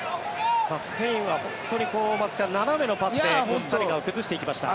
スペインは本当に斜めのパスでコスタリカを崩していきました。